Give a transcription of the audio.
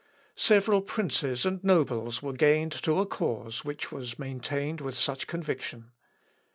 Several princes and nobles were gained to a cause which was maintained with such conviction.